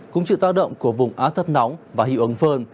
cũng chịu tác động của vùng áp thấp nóng và hiệu ứng phơn